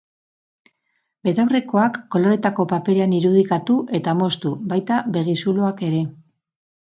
Betaurrekoak koloretako paperean irudikatu eta moztu, baita begizuloak ere.